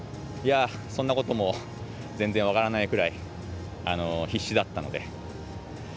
そんなことも全然分からないくらい必死だったので。